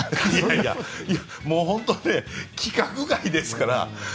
本当、規格外ですから。